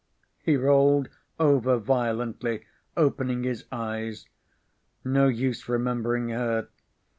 He rolled over violently, opening his eyes. No use remembering her.